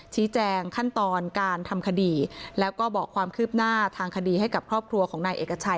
ชี้แจงขั้นตอนการทำคดีแล้วก็บอกความคืบหน้าทางคดีให้กับครอบครัวของนายเอกชัย